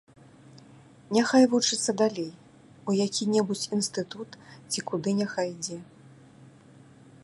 Няхай вучыцца далей, у які-небудзь інстытут ці куды няхай ідзе.